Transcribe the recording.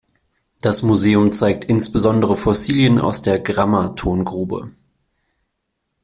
Das Museum zeigt insbesondere Fossilien aus der Grammer Tongrube.